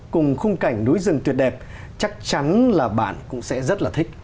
cùng khung cảnh núi rừng tuyệt đẹp chắc chắn là bạn cũng sẽ rất là thích